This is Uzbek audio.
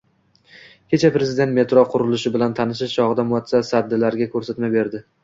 Kecha prezident metro qurilishi bilan tanishish chog'ida mutasaddilarga ko'rsatma berdi